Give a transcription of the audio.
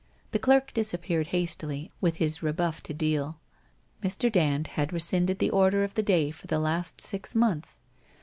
The clerk disappeared hastily, with his rebuff to deal. Mr. Dand had rescinded the order of the day for the last six months.